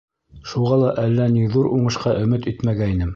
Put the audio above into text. Шуға ла әллә ни ҙур уңышҡа өмөт итмәгәйнем.